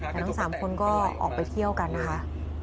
แต่ทั้ง๓คนก็ออกไปเที่ยวกันนะคะ